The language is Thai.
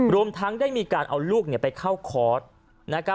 รวมทั้งได้มีการเอาลูกไปเข้าคอร์ส